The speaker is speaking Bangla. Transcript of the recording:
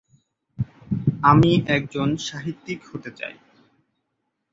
আমি একজন সাহিত্যিক হতে চাই।